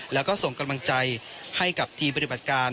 แล้วก็ส่งกำลังใจให้กับทีมปฏิบัติการ